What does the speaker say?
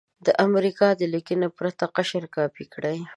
د امریکا د لیکنې پرته نقشه کاپې کړئ.